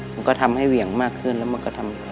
มันก็ทำให้เหวี่ยงมากขึ้นแล้วมันก็ทำ